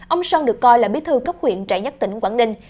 ông sơn được coi là bí thư cấp huyện trại nhất tỉnh quảng ninh